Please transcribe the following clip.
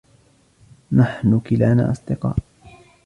نحن كلانا أصدقاء.